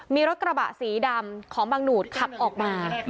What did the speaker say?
มีรถกระบะสีดำของบังหนูดขับออกมา